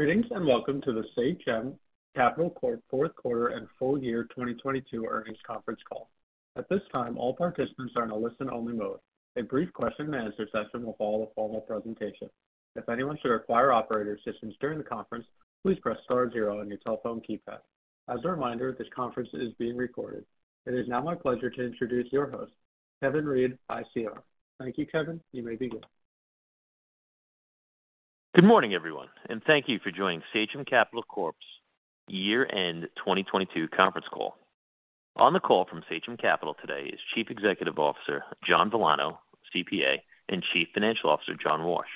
Greetings, welcome to the Sachem Capital Corporation fourth quarter and full year 2022 earnings conference call. At this time, all participants are in a listen-only mode. A brief question-and-answer session will follow the formal presentation. If anyone should require operator assistance during the conference, please press star zero on your telephone keypad. As a reminder, this conference is being recorded. It is now my pleasure to introduce your host, Kevin Reed, ICR. Thank you, Kevin. You may begin. Good morning, everyone, and thank you for joining Sachem Capital Corporation's year-end 2022 conference call. On the call from Sachem Capital today is Chief Executive Officer John Villano, CPA, and Chief Financial Officer John Warch.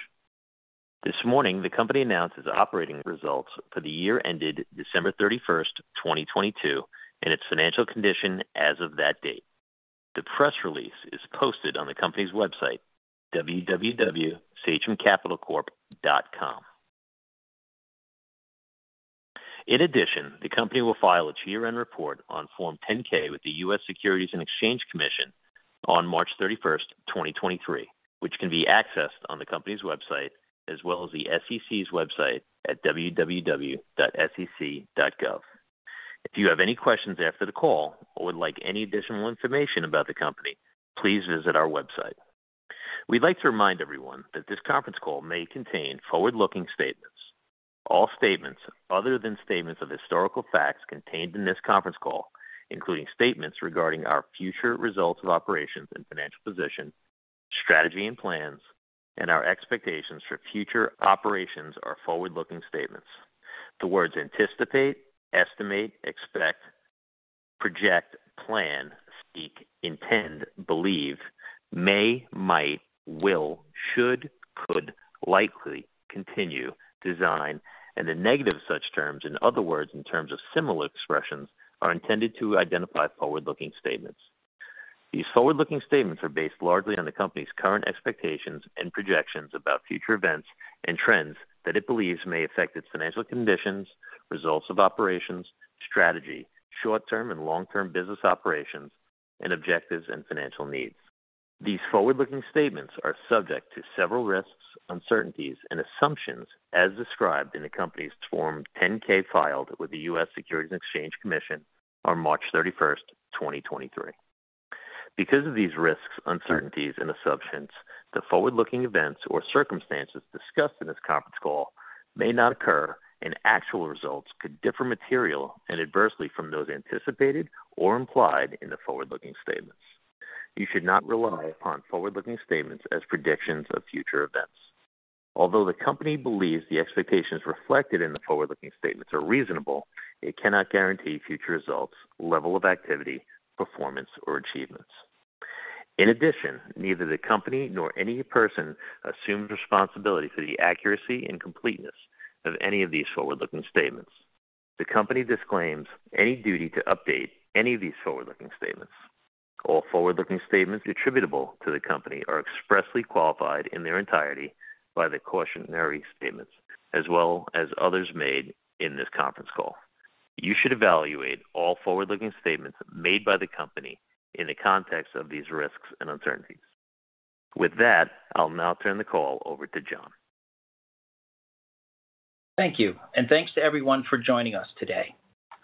This morning, the company announces operating results for the year ended December 31st, 2022, and its financial condition as of that date. The press release is posted on the company's website, www.sachemcapitalcorp.com. In addition, the company will file its year-end report on Form 10-K with the US Securities and Exchange Commission on March 31st, 2023, which can be accessed on the company's website as well as the SEC's website at www.sec.gov. If you have any questions after the call or would like any additional information about the company, please visit our website. We'd like to remind everyone that this conference call may contain forward-looking statements. All statements other than statements of historical facts contained in this conference call, including statements regarding our future results of operations and financial position, strategy and plans, and our expectations for future operations are forward-looking statements. The words anticipate, estimate, expect, project, plan, seek, intend, believe, may, might, will, should, could, likely, continue, design, and the negative such terms and other words and terms of similar expressions are intended to identify forward-looking statements. These forward-looking statements are based largely on the company's current expectations and projections about future events and trends that it believes may affect its financial conditions, results of operations, strategy, short-term and long-term business operations, and objectives and financial needs. These forward-looking statements are subject to several risks, uncertainties and assumptions as described in the company's Form 10-K filed with the US Securities and Exchange Commission on March 31st, 2023. Because of these risks, uncertainties and assumptions, the forward-looking events or circumstances discussed in this conference call may not occur, and actual results could differ material and adversely from those anticipated or implied in the forward-looking statements. You should not rely upon forward-looking statements as predictions of future events. Although the company believes the expectations reflected in the forward-looking statements are reasonable, it cannot guarantee future results, level of activity, performance or achievements. In addition, neither the company nor any person assumes responsibility for the accuracy and completeness of any of these forward-looking statements. The company disclaims any duty to update any of these forward-looking statements. All forward-looking statements attributable to the company are expressly qualified in their entirety by the cautionary statements as well as others made in this conference call. You should evaluate all forward-looking statements made by the company in the context of these risks and uncertainties. With that, I'll now turn the call over to John. Thank you. Thanks to everyone for joining us today.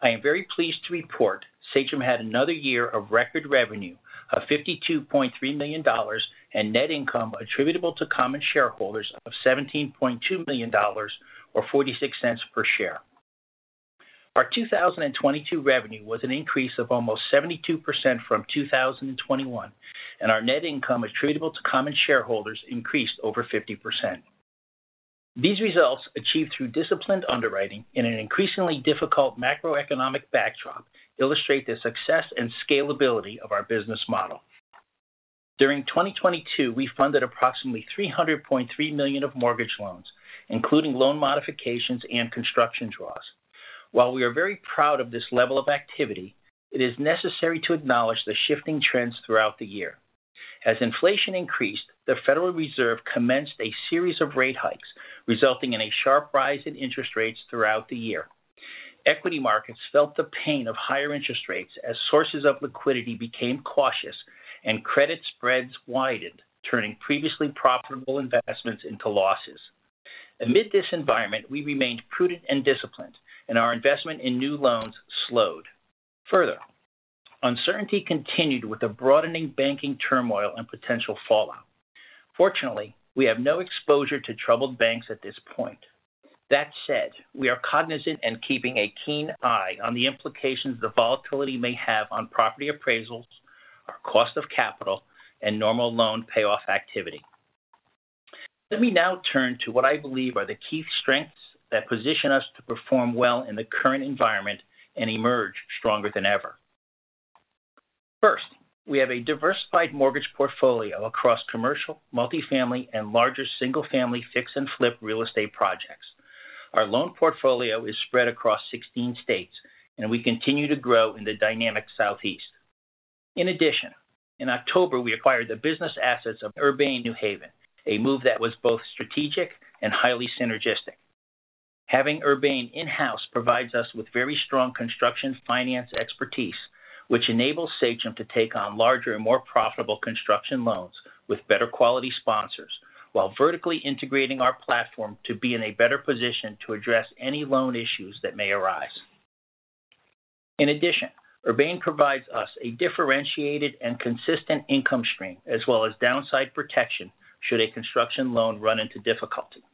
I am very pleased to report Sachem had another year of record revenue of $52.3 million and net income attributable to common shareholders of $17.2 million or $0.46 per share. Our 2022 revenue was an increase of almost 72% from 2021. Our net income attributable to common shareholders increased over 50%. These results, achieved through disciplined underwriting in an increasingly difficult macroeconomic backdrop, illustrate the success and scalability of our business model. During 2022, we funded approximately $300.3 million of mortgage loans, including loan modifications and construction draws. While we are very proud of this level of activity, it is necessary to acknowledge the shifting trends throughout the year. As inflation increased, the Federal Reserve commenced a series of rate hikes, resulting in a sharp rise in interest rates throughout the year. Equity markets felt the pain of higher interest rates as sources of liquidity became cautious and credit spreads widened, turning previously profitable investments into losses. Amid this environment, we remained prudent and disciplined, and our investment in new loans slowed. Further, uncertainty continued with the broadening banking turmoil and potential fallout. Fortunately, we have no exposure to troubled banks at this point. That said, we are cognizant and keeping a keen eye on the implications the volatility may have on property appraisals, our cost of capital, and normal loan payoff activity. Let me now turn to what I believe are the key strengths that position us to perform well in the current environment and emerge stronger than ever. First, we have a diversified mortgage portfolio across commercial, multifamily and larger single-family fix and flip real estate projects. Our loan portfolio is spread across 16 states, and we continue to grow in the dynamic Southeast. In addition, in October, we acquired the business assets of Urbane New Haven, a move that was both strategic and highly synergistic. Having Urbane in-house provides us with very strong construction finance expertise. Which enables Sachem to take on larger and more profitable construction loans with better quality sponsors while vertically integrating our platform to be in a better position to address any loan issues that may arise. In addition, Urbane provides us a differentiated and consistent income stream as well as downside protection should a construction loan run into difficulty.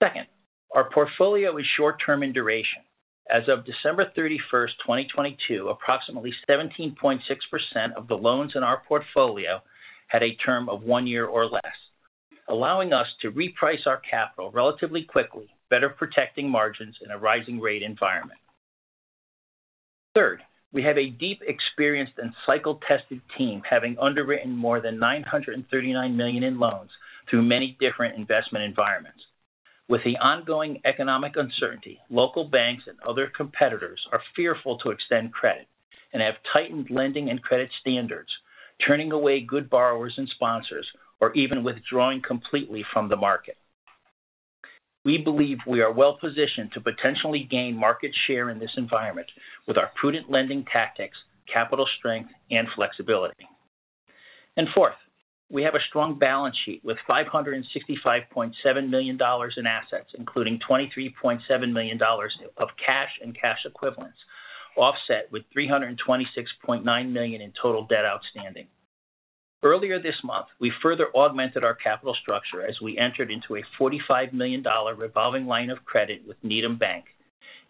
Second, our portfolio is short-term in duration. As of December 31st, 2022, approximately 17.6% of the loans in our portfolio had a term of one year or less, allowing us to reprice our capital relatively quickly, better protecting margins in a rising rate environment. Third, we have a deep experienced and cycle-tested team having underwritten more than $939 million in loans through many different investment environments. With the ongoing economic uncertainty, local banks and other competitors are fearful to extend credit and have tightened lending and credit standards, turning away good borrowers and sponsors, or even withdrawing completely from the market. We believe we are well-positioned to potentially gain market share in this environment with our prudent lending tactics, capital strength, and flexibility. Fourth, we have a strong balance sheet with $565.7 million in assets, including $23.7 million of cash and cash equivalents, offset with $326.9 million in total debt outstanding. Earlier this month, we further augmented our capital structure as we entered into a $45 million revolving line of credit with Needham Bank,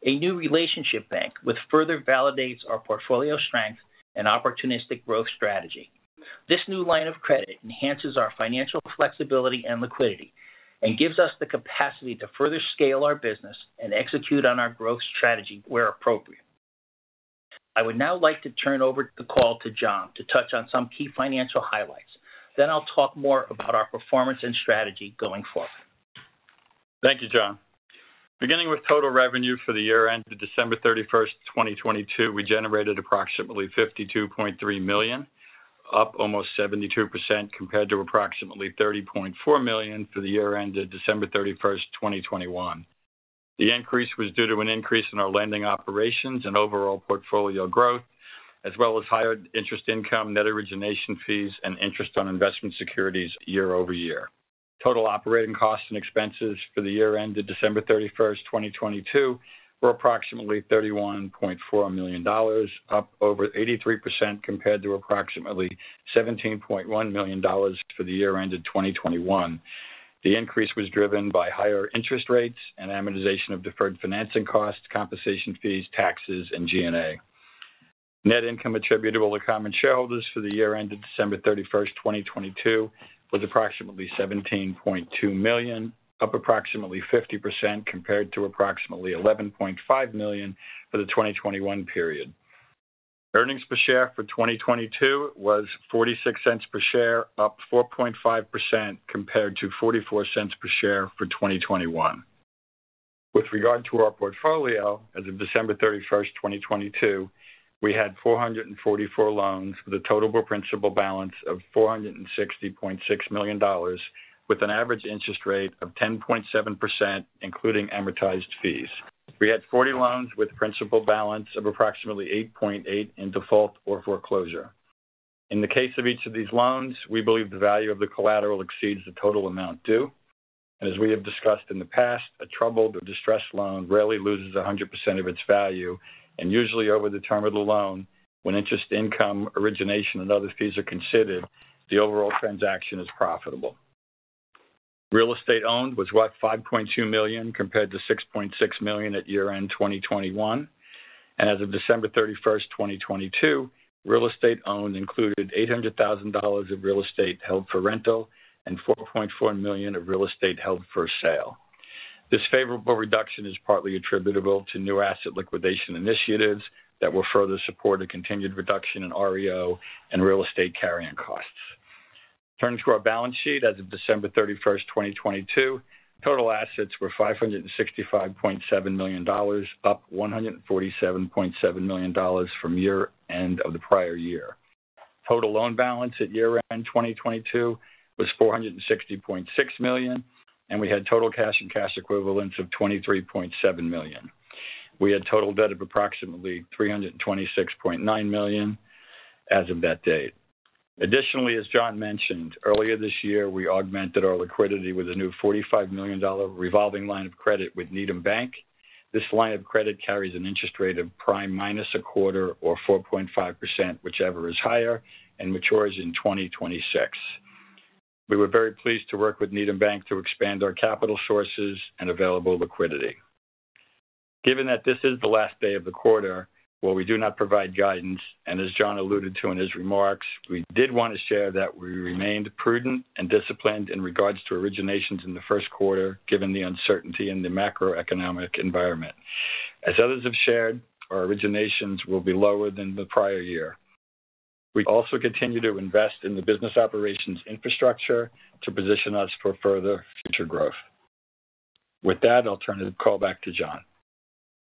a new relationship bank, which further validates our portfolio strength and opportunistic growth strategy. This new line of credit enhances our financial flexibility and liquidity and gives us the capacity to further scale our business and execute on our growth strategy where appropriate. I would now like to turn over the call to John to touch on some key financial highlights. I'll talk more about our performance and strategy going forward. Thank you, John. Beginning with total revenue for the year ended December 31st, 2022, we generated approximately $52.3 million, up almost 72% compared to approximately $30.4 million for the year ended December 31st, 2021. The increase was due to an increase in our lending operations and overall portfolio growth, as well as higher interest income, net origination fees, and interest on investment securities year-over-year. Total operating costs and expenses for the year ended December 31st, 2022, were approximately $31.4 million, up over 83% compared to approximately $17.1 million for the year ended 2021. The increase was driven by higher interest rates and amortization of deferred financing costs, compensation fees, taxes, and G&A. Net income attributable to common shareholders for the year ended December 31st, 2022 was approximately $17.2 million, up approximately 50% compared to approximately $11.5 million for the 2021 period. Earnings per share for 2022 was $0.46 per share, up 4.5% compared to $0.44 per share for 2021. With regard to our portfolio as of December 31st, 2022, we had 444 loans with a total principal balance of $460.6 million with an average interest rate of 10.7%, including amortized fees. We had 40 loans with principal balance of approximately $8.8 million in default or foreclosure. In the case of each of these loans, we believe the value of the collateral exceeds the total amount due. As we have discussed in the past, a troubled or distressed loan rarely loses 100% of its value. Usually over the term of the loan, when interest income, origination, and other fees are considered, the overall transaction is profitable. Real estate owned was, what, $5.2 million compared to $6.6 million at year-end 2021. As of December 31st, 2022, real estate owned included $800,000 of real estate held for rental and $4.4 million of real estate held for sale. This favorable reduction is partly attributable to new asset liquidation initiatives that will further support a continued reduction in REO and real estate carrying costs. Turning to our balance sheet as of December 31, 2022, total assets were $565.7 million, up $147.7 million from year-end of the prior year. Total loan balance at year-end 2022 was $460.6 million. We had total cash and cash equivalents of $23.7 million. We had total debt of approximately $326.9 million as of that date. Additionally, as John mentioned, earlier this year, we augmented our liquidity with a new $45 million revolving line of credit with Needham Bank. This line of credit carries an interest rate of prime minus a quarter or 4.5%, whichever is higher, and matures in 2026. We were very pleased to work with Needham Bank to expand our capital sources and available liquidity. Given that this is the last day of the quarter, while we do not provide guidance, and as John alluded to in his remarks, we did want to share that we remained prudent and disciplined in regards to originations in the first quarter given the uncertainty in the macroeconomic environment. As others have shared, our originations will be lower than the prior year. We also continue to invest in the business operations infrastructure to position us for further future growth. With that, I'll turn the call back to John.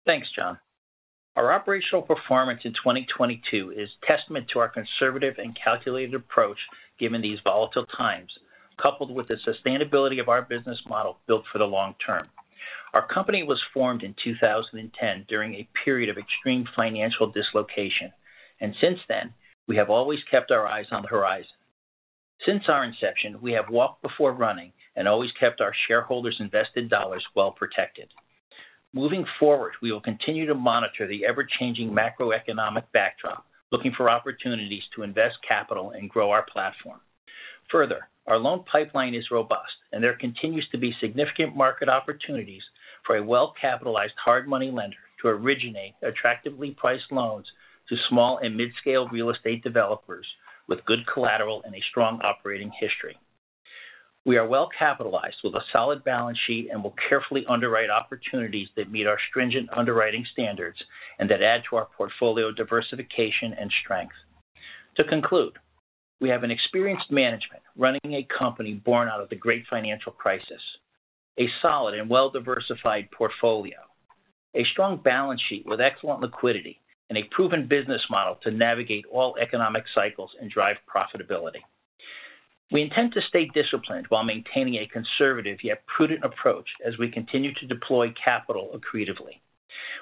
Thanks, John. Our operational performance in 2022 is testament to our conservative and calculated approach given these volatile times, coupled with the sustainability of our business model built for the long term. Our company was formed in 2010 during a period of extreme financial dislocation. Since then, we have always kept our eyes on the horizon. Since our inception, we have walked before running and always kept our shareholders' invested dollars well protected. Moving forward, we will continue to monitor the ever-changing macroeconomic backdrop, looking for opportunities to invest capital and grow our platform. Further, our loan pipeline is robust, and there continues to be significant market opportunities for a well-capitalized hard money lender to originate attractively priced loans to small and mid-scale real estate developers with good collateral and a strong operating history. We are well capitalized with a solid balance sheet and will carefully underwrite opportunities that meet our stringent underwriting standards and that add to our portfolio diversification and strength. To conclude, we have an experienced management running a company born out of the great financial crisis, a solid and well-diversified portfolio, a strong balance sheet with excellent liquidity and a proven business model to navigate all economic cycles and drive profitability. We intend to stay disciplined while maintaining a conservative yet prudent approach as we continue to deploy capital accretively.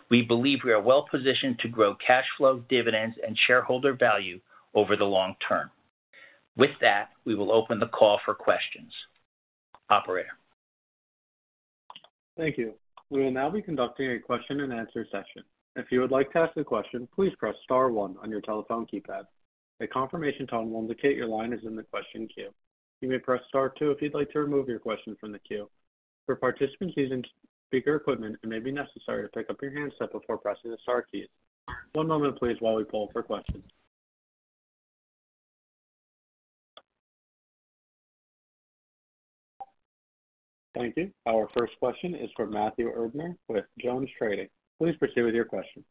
We believe we are well positioned to grow cash flow, dividends, and shareholder value over the long term. With that, we will open the call for questions. Operator. Thank you. We will now be conducting a question-and-answer session. If you would like to ask a question, please press star one on your telephone keypad. A confirmation tone will indicate your line is in the question queue. You may press star two if you'd like to remove your question from the queue. For participants using speaker equipment, it may be necessary to pick up your handset before pressing the star keys. One moment please while we poll for questions. Thank you. Our first question is from Matthew Erdner with JonesTrading. Please proceed with your question.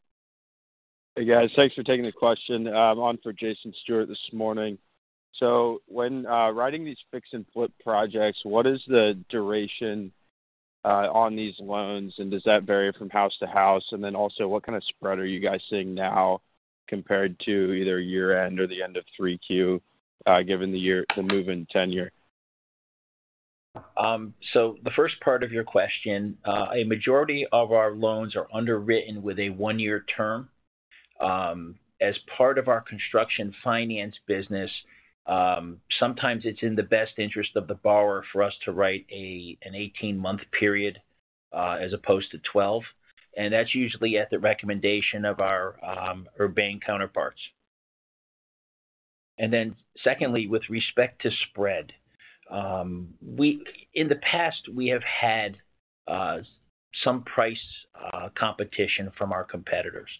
Hey, guys. Thanks for taking the question. I'm on for Jason Stewart this morning. When writing these fix and flip projects, what is the duration on these loans, and does that vary from house to house? Also, what kind of spread are you guys seeing now compared to either year-end or the end of 3Q, given the year, the move in tenure? The first part of your question, a majority of our loans are underwritten with a one-year term. As part of our construction finance business, sometimes it's in the best interest of the borrower for us to write an 18-month period, as opposed to 12%, and that's usually at the recommendation of our Urbane counterparts. Secondly, with respect to spread, in the past, we have had some price competition from our competitors.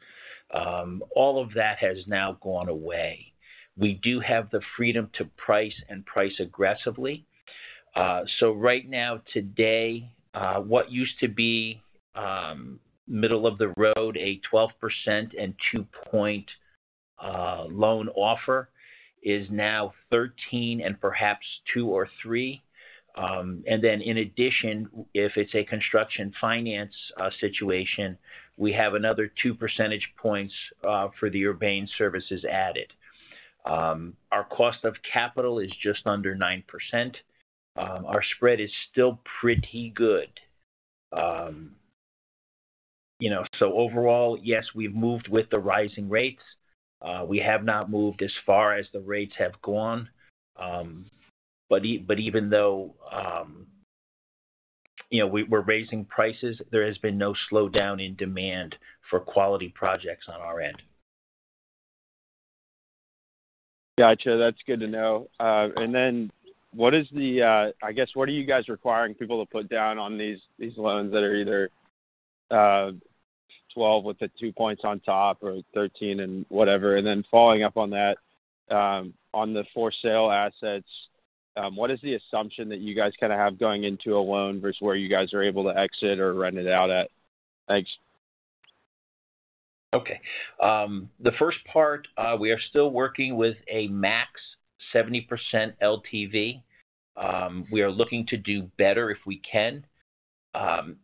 All of that has now gone away. We do have the freedom to price and price aggressively. Right now, today, what used to be middle of the road, a 12% and 2-point loan offer is now 13% and perhaps 2 or 3. In addition, if it's a construction finance situation, we have another 2 percentage points for the Urbane services added. Our cost of capital is just under 9%. Our spread is still pretty good. You know, overall, yes, we've moved with the rising rates. We have not moved as far as the rates have gone. Even though, you know, we're raising prices, there has been no slowdown in demand for quality projects on our end. Gotcha. That's good to know. What is the, I guess, what are you guys requiring people to put down on these loans that are either, 12% with the 2 points on top or 13% and whatever? Following up on that, on the for sale assets, what is the assumption that you guys kinda have going into a loan versus where you guys are able to exit or rent it out at? Thanks. Okay. The first part, we are still working with a max 70% LTV. We are looking to do better if we can.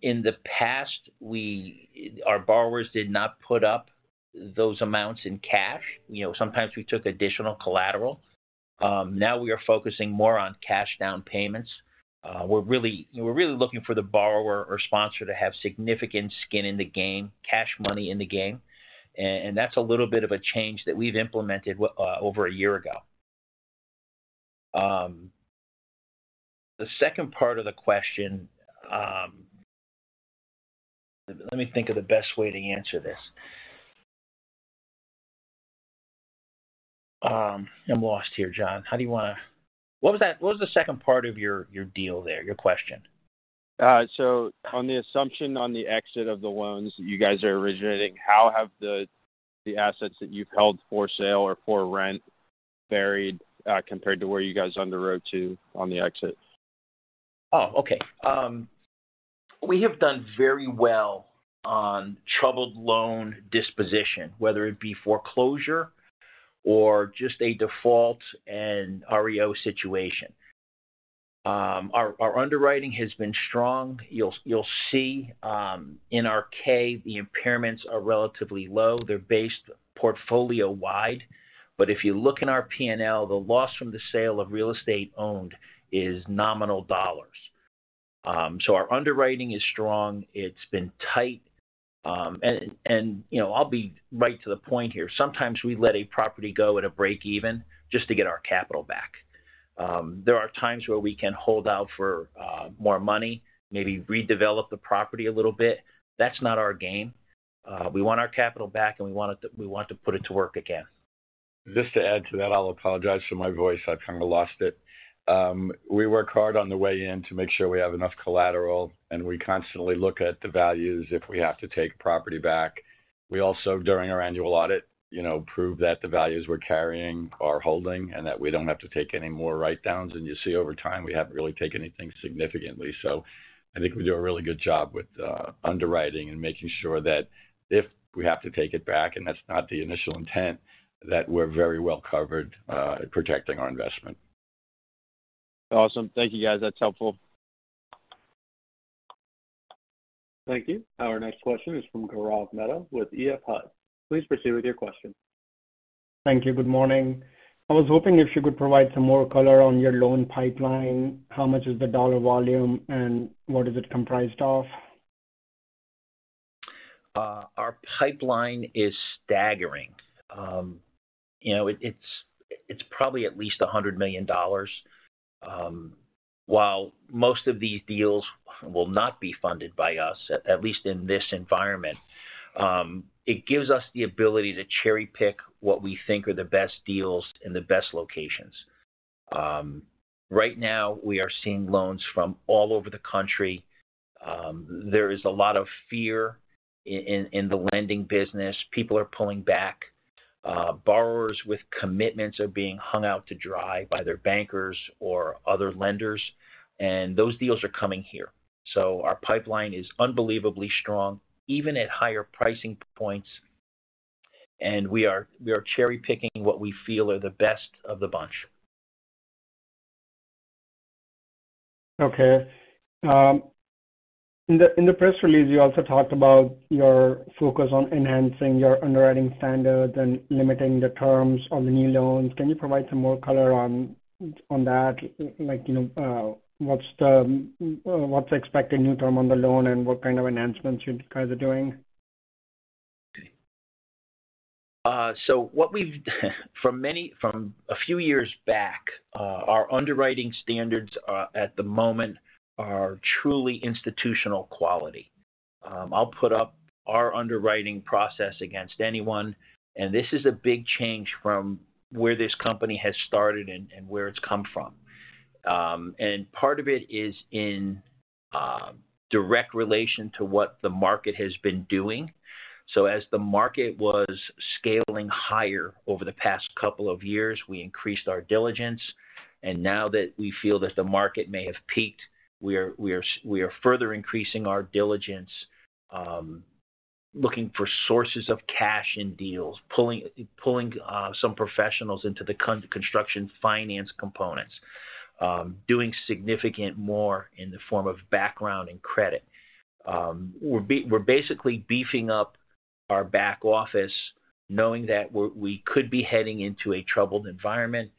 In the past, we, our borrowers did not put up those amounts in cash. You know, sometimes we took additional collateral. Now we are focusing more on cash down payments. We're really looking for the borrower or sponsor to have significant skin in the game, cash money in the game. That's a little bit of a change that we've implemented over a year ago. The second part of the question, Let me think of the best way to answer this. I'm lost here, John. How do you wanna—what was the second part of your deal there, your question? On the assumption on the exit of the loans that you guys are originating, how have the assets that you've held for sale or for rent varied, compared to where you guys underwrote to on the exit? Okay. We have done very well on troubled loan disposition, whether it be foreclosure or just a default and REO situation. Our underwriting has been strong. You'll see, in our K, the impairments are relatively low. They're based portfolio-wide. If you look in our P&L, the loss from the sale of real estate owned is nominal dollars. Our underwriting is strong. It's been tight. You know, I'll be right to the point here. Sometimes we let a property go at a break even just to get our capital back. There are times where we can hold out for more money, maybe redevelop the property a little bit. That's not our game. We want our capital back, and we want to put it to work again. Just to add to that, I'll apologize for my voice. I've kind of lost it. We work hard on the way in to make sure we have enough collateral, and we constantly look at the values if we have to take property back. We also, during our annual audit, you know, prove that the values we're carrying are holding and that we don't have to take any more write-downs. You see over time, we haven't really taken anything significantly. I think we do a really good job with underwriting and making sure that if we have to take it back, and that's not the initial intent, that we're very well covered, protecting our investment. Awesome. Thank you, guys. That's helpful. Thank you. Our next question is from Gaurav Mehta with EF Hutton. Please proceed with your question. Thank you. Good morning. I was hoping if you could provide some more color on your loan pipeline, how much is the dollar volume and what is it comprised of? Our pipeline is staggering. you know, it's probably at least $100 million. While most of these deals will not be funded by us, at least in this environment, it gives us the ability to cherry-pick what we think are the best deals in the best locations. right now, we are seeing loans from all over the country. there is a lot of fear in the lending business. People are pulling back. Borrowers with commitments are being hung out to dry by their bankers or other lenders, and those deals are coming here. Our pipeline is unbelievably strong, even at higher pricing points, and we are cherry-picking what we feel are the best of the bunch. Okay. In the press release, you also talked about your focus on enhancing your underwriting standards and limiting the terms on the new loans. Can you provide some more color on that? Like, you know, what's the expected new term on the loan, and what kind of enhancements you guys are doing? From a few years back, our underwriting standards are at the moment are truly institutional quality. I'll put up our underwriting process against anyone, and this is a big change from where this company has started and where it's come from. Part of it is in direct relation to what the market has been doing. As the market was scaling higher over the past couple of years, we increased our diligence. Now that we feel that the market may have peaked, we are further increasing our diligence, looking for sources of cash in deals, pulling some professionals into the construction finance components, doing significant more in the form of background and credit. We're basically beefing up our back office, knowing that we could be heading into a troubled environment.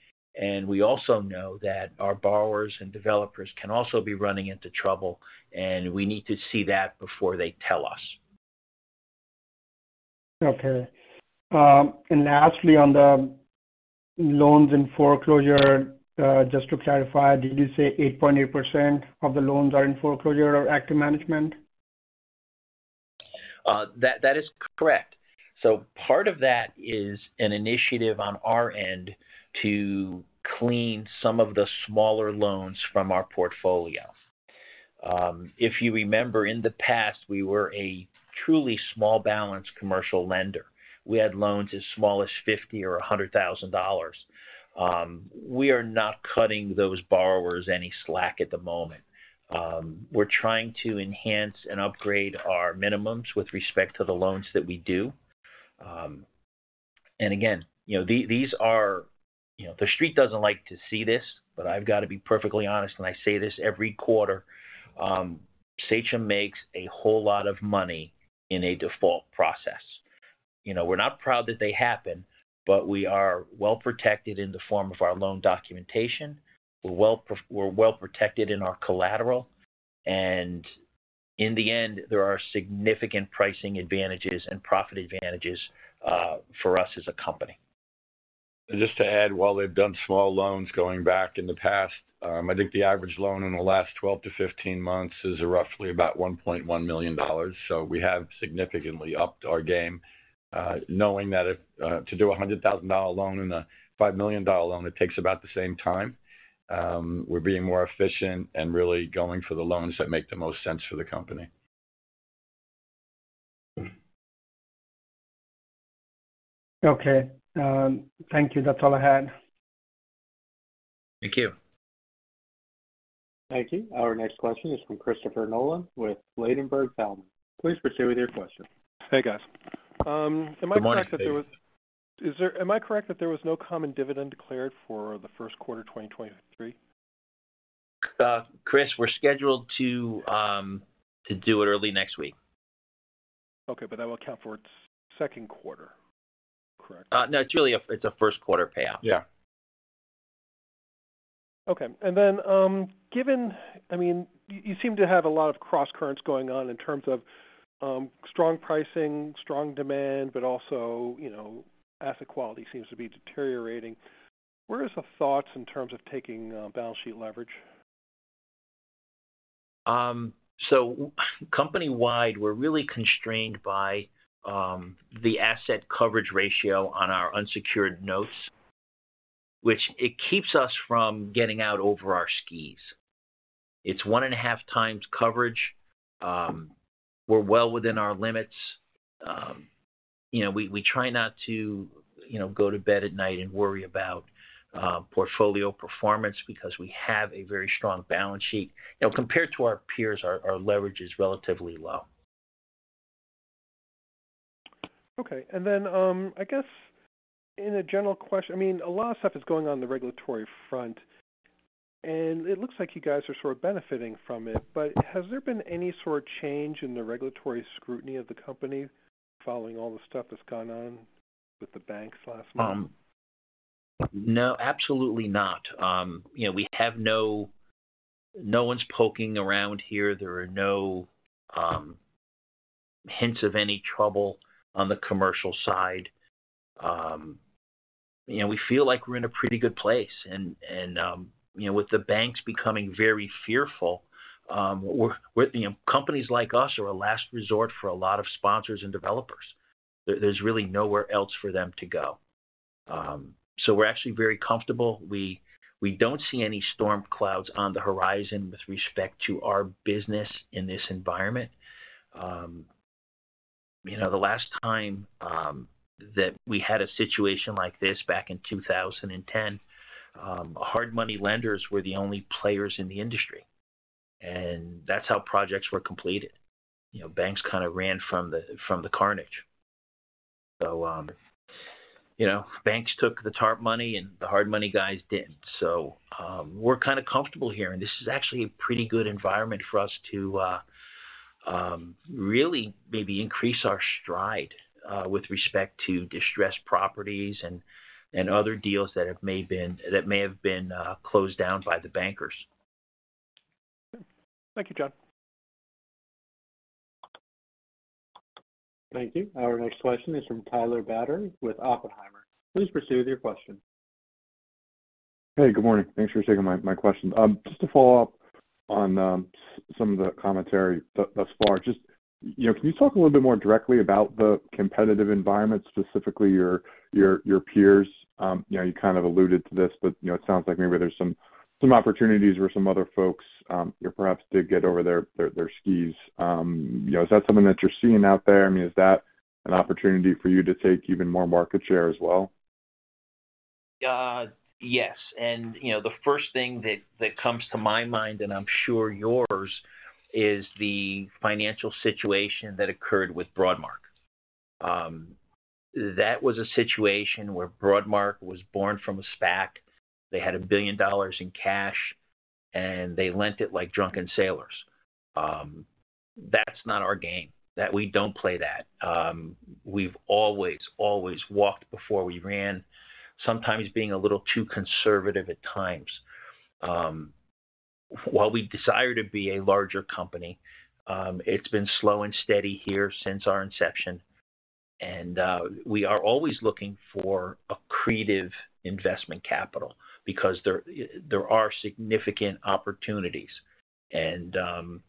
We also know that our borrowers and developers can also be running into trouble, and we need to see that before they tell us. Okay. Lastly, on the loans in foreclosure, just to clarify, did you say 8.8% of the loans are in foreclosure or active management? That is correct. Part of that is an initiative on our end to clean some of the smaller loans from our portfolio. If you remember in the past, we were a truly small balance commercial lender. We had loans as small as $50,000 or $100,000. We are not cutting those borrowers any slack at the moment. We're trying to enhance and upgrade our minimums with respect to the loans that we do. Again, you know, these are—you know, the Street doesn't like to see this, but I've got to be perfectly honest, and I say this every quarter. Sachem makes a whole lot of money in a default process. You know, we're not proud that they happen, but we are well protected in the form of our loan documentation. We're well protected in our collateral. In the end, there are significant pricing advantages and profit advantages for us as a company. Just to add, while they've done small loans going back in the past, I think the average loan in the last 12-15 months is roughly about $1.1 million. We have significantly upped our game, knowing that, to do a $100,000 loan and a $5 million loan, it takes about the same time. We're being more efficient and really going for the loans that make the most sense for the company. Okay. Thank you. That's all I had. Thank you. Thank you. Our next question is from Christopher Nolan with Ladenburg Thalmann. Please proceed with your question. Hey, guys. Am I correct that there was? Good morning, Chris. Am I correct that there was no common dividend declared for the first quarter of 2023? Chris, we're scheduled to do it early next week. Okay. But that will count for second quarter, correct? No, it's really a first quarter payout. Yeah. Okay. I mean, you seem to have a lot of crosscurrents going on in terms of strong pricing, strong demand, but also, you know, asset quality seems to be deteriorating. Where is the thoughts in terms of taking balance sheet leverage? Company-wide, we're really constrained by the asset coverage ratio on our unsecured notes, which it keeps us from getting out over our skis. It's one and a half times coverage. We're well within our limits. You know, we try not to, you know, go to bed at night and worry about portfolio performance because we have a very strong balance sheet. You know, compared to our peers, our leverage is relatively low. Okay. Then, I guess in a general, I mean, a lot of stuff is going on in the regulatory front, and it looks like you guys are sort of benefiting from it. Has there been any sort of change in the regulatory scrutiny of the company following all the stuff that's gone on with the banks last month? No, absolutely not. You know, we have no—no one's poking around here. There are no hints of any trouble on the commercial side. You know, we feel like we're in a pretty good place and, you know, with the banks becoming very fearful, you know, companies like us are a last resort for a lot of sponsors and developers. There's really nowhere else for them to go. So we're actually very comfortable. We don't see any storm clouds on the horizon with respect to our business in this environment. You know, the last time that we had a situation like this back in 2010, hard money lenders were the only players in the industry, and that's how projects were completed. You know, banks kind of ran from the carnage. You know, banks took the TARP money and the hard money guys didn't. We're kind of comfortable here, and this is actually a pretty good environment for us to really maybe increase our stride with respect to distressed properties and other deals that may have been closed down by the bankers. Okay. Thank you, John. Thank you. Our next question is from Tyler Batory with Oppenheimer. Please proceed with your question. Hey, good morning. Thanks for taking my question. Just to follow up on some of the commentary thus far. Just, you know, can you talk a little bit more directly about the competitive environment, specifically your peers? You know, you kind of alluded to this, but, you know, it sounds like maybe there's some opportunities where some other folks, you know, perhaps did get over their skis. You know, is that something that you're seeing out there? I mean, is that an opportunity for you to take even more market share as well? Yes. You know, the first thing that comes to my mind, and I'm sure yours, is the financial situation that occurred with Broadmark. That was a situation where Broadmark was born from a SPAC. They had $1 billion in cash, and they lent it like drunken sailors. That's not our game. We don't play that. We've always walked before we ran, sometimes being a little too conservative at times. While we desire to be a larger company, it's been slow and steady here since our inception. We are always looking for accretive investment capital because there are significant opportunities. You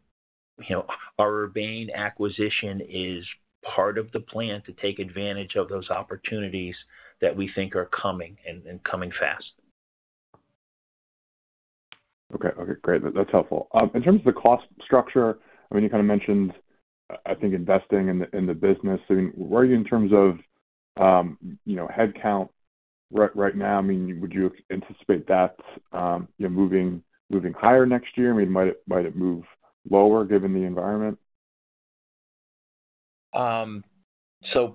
know, our Urbane acquisition is part of the plan to take advantage of those opportunities that we think are coming and coming fast. Okay. Okay, great. That's helpful. In terms of the cost structure, I mean, you kinda mentioned, I think investing in the business. I mean, where are you in terms of, you know, headcount right now? I mean, would you anticipate that, you know, moving higher next year? I mean, might it move lower given the environment?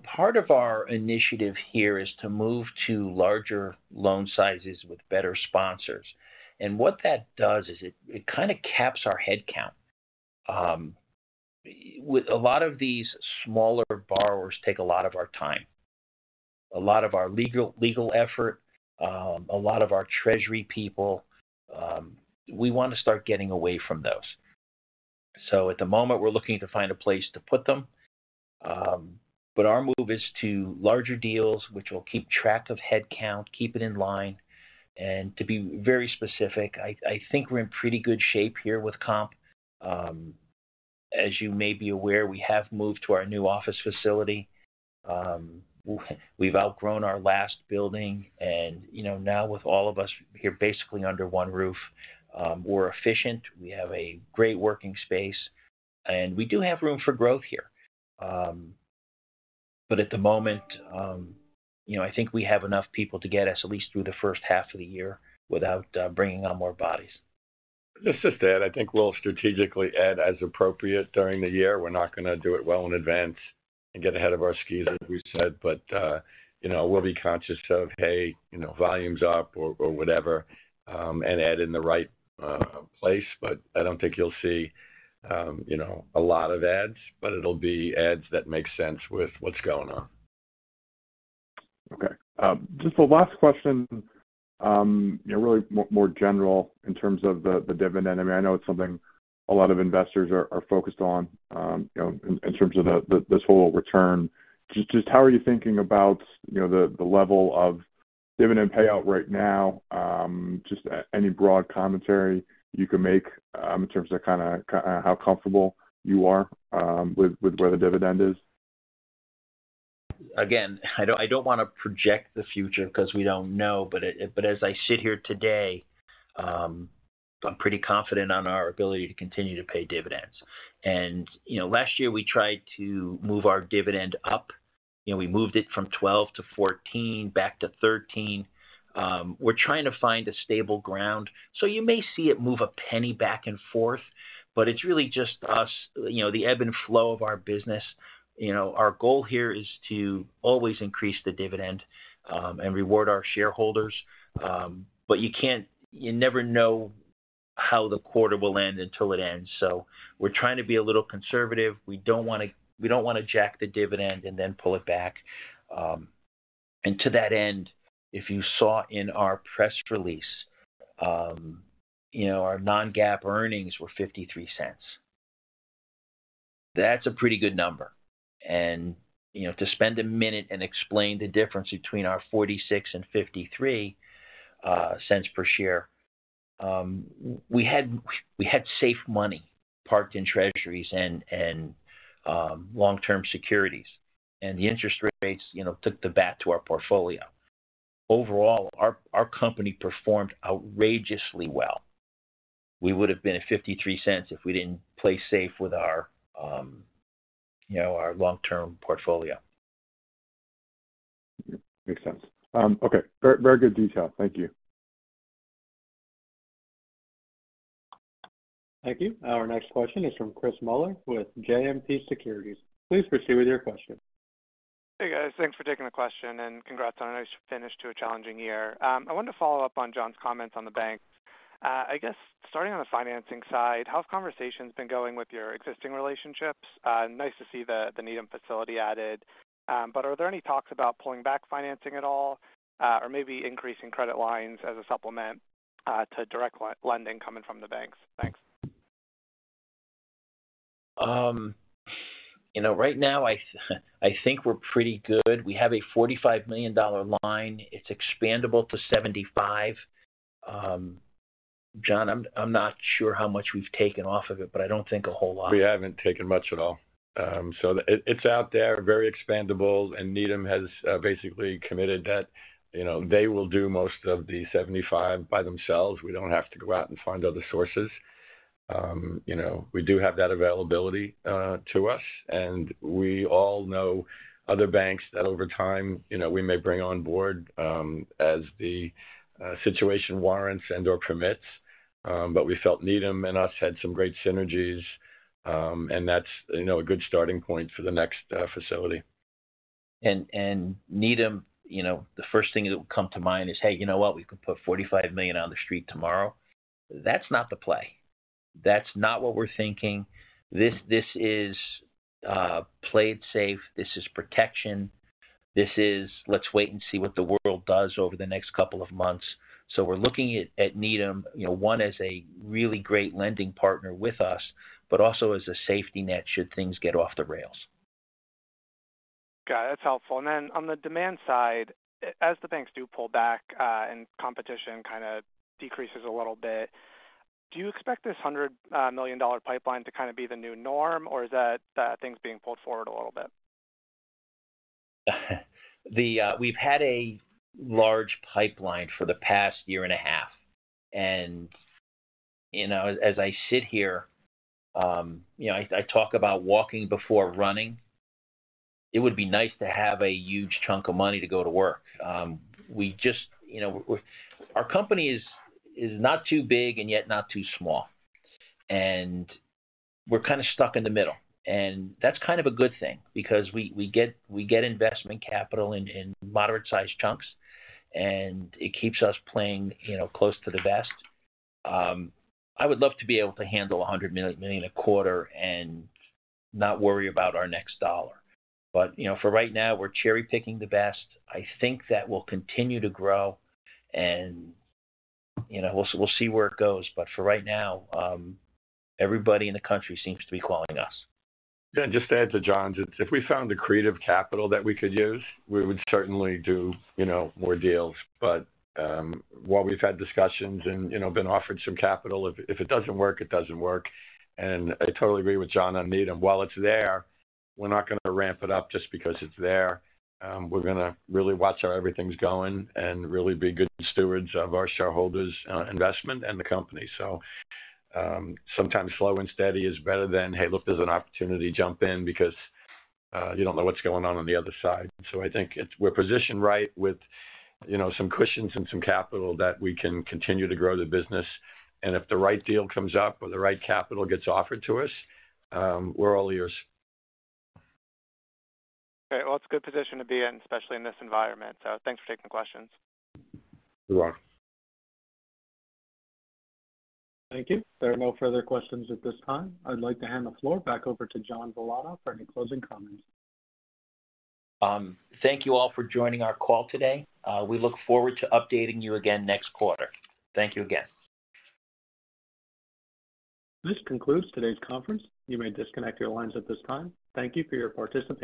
Part of our initiative here is to move to larger loan sizes with better sponsors. What that does is it kinda caps our headcount. A lot of these smaller borrowers take a lot of our time, a lot of our legal effort, a lot of our treasury people. We wanna start getting away from those. At the moment we're looking to find a place to put them. Our move is to larger deals which will keep track of headcount, keep it in line. To be very specific, I think we're in pretty good shape here with comp. As you may be aware, we have moved to our new office facility. We've outgrown our last building and, you know, now with all of us here basically under one roof, we're efficient. We have a great working space, and we do have room for growth here. At the moment, you know, I think we have enough people to get us at least through the first half of the year without bringing on more bodies. Just to add, I think we'll strategically add as appropriate during the year. We're not gonna do it well in advance and get ahead of our skis, as we said. You know, we'll be conscious of, hey, you know, volume's up or whatever, and add in the right place. I don't think you'll see, you know, a lot of adds, but it'll be adds that make sense with what's going on. Okay. Just the last question, you know, really more general in terms of the dividend. I mean, I know it's something a lot of investors are focused on, you know, in terms of the, this whole return. Just how are you thinking about, you know, the level of dividend payout right now? Just any broad commentary you can make, in terms of kinda how comfortable you are, with where the dividend is. Again, I don't wanna project the future 'cause we don't know. As I sit here today, I'm pretty confident on our ability to continue to pay dividends. You know, last year we tried to move our dividend up. You know, we moved it from 12 to 14, back to 13. We're trying to find a stable ground. You may see it move $0.01 back and forth, but it's really just us, you know, the ebb and flow of our business. You know, our goal here is to always increase the dividend, and reward our shareholders. You can't. You never know how the quarter will end until it ends. We're trying to be a little conservative. We don't wanna jack the dividend and then pull it back. To that end, if you saw in our press release, you know, our non-GAAP earnings were $0.53. That's a pretty good number. You know, to spend a minute and explain the difference between our $0.46 and $0.53 per share, we had safe money parked in treasuries and long-term securities. The interest rates, you know, took the bat to our portfolio. Overall, our company performed outrageously well. We would have been at $0.53 if we didn't play safe with our, you know, our long-term portfolio. Makes sense. Okay. Very, very good detail. Thank you. Thank you. Our next question is from Chris Muller with JMP Securities. Please proceed with your question. Hey, guys. Thanks for taking the question. Congrats on a nice finish to a challenging year. I wanted to follow up on John's comments on the banks. I guess starting on the financing side, how have conversations been going with your existing relationships? Nice to see the Needham facility added. Are there any talks about pulling back financing at all, or maybe increasing credit lines as a supplement to direct lending coming from the banks? Thanks. you know, right now I think we're pretty good. We have a $45 million line. It's expandable to $75 million. John, I'm not sure how much we've taken off of it, but I don't think a whole lot. We haven't taken much at all. It's out there, very expandable, and Needham has basically committed that, you know, they will do most of the $75 by themselves. We don't have to go out and find other sources. You know, we do have that availability to us, and we all know other banks that over time, you know, we may bring on board as the situation warrants and/or permits. We felt Needham and us had some great synergies, and that's, you know, a good starting point for the next facility. Needham, you know, the first thing that would come to mind is, "Hey, you know what? We could put $45 million on the street tomorrow." That's not the play. That's not what we're thinking. This is play it safe. This is protection. This is let's wait and see what the world does over the next couple of months. We're looking at Needham, you know, one, as a really great lending partner with us, but also as a safety net should things get off the rails. Got it. That's helpful. Then on the demand side, as the banks do pull back, and competition kinda decreases a little bit, do you expect this $100 million pipeline to kinda be the new norm, or is that things being pulled forward a little bit? The, we've had a large pipeline for the past year and a half, and, you know, as I sit here, you know, I talk about walking before running. It would be nice to have a huge chunk of money to go to work. We just, you know. Our company is not too big and yet not too small. We're kinda stuck in the middle, and that's kind of a good thing because we get investment capital in moderate-sized chunks, and it keeps us playing, you know, close to the vest. I would love to be able to handle $100 million a quarter and not worry about our next dollar. You know, for right now, we're cherry-picking the best. I think that will continue to grow, and, you know, we'll see where it goes. For right now, everybody in the country seems to be calling us. Yeah, just to add to John's, if we found the creative capital that we could use, we would certainly do, you know, more deals. While we've had discussions and, you know, been offered some capital, if it doesn't work, it doesn't work. I totally agree with John on Needham. While it's there, we're not gonna ramp it up just because it's there. We're gonna really watch how everything's going and really be good stewards of our shareholders', investment and the company. Sometimes slow and steady is better than, "Hey, look, there's an opportunity, jump in," because you don't know what's going on on the other side. I think we're positioned right with, you know, some cushions and some capital that we can continue to grow the business, and if the right deal comes up or the right capital gets offered to us, we're all ears. Okay. Well, it's a good position to be in, especially in this environment. Thanks for taking the questions. You're welcome. Thank you. There are no further questions at this time. I'd like to hand the floor back over to John Villano for any closing comments. Thank you all for joining our call today. We look forward to updating you again next quarter. Thank you again. This concludes today's conference. You may disconnect your lines at this time. Thank you for your participation.